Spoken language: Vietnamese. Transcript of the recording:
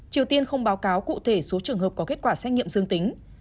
triều tiên không báo cáo cụ thể số trường hợp có kết quả xét nghiệm dương tính